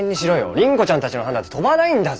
倫子ちゃんたちの班だって飛ばないんだぞ。